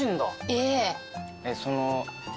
ええ。